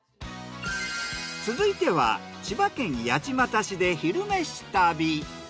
続いては千葉県八街市で「昼めし旅」。